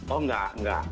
oh enggak enggak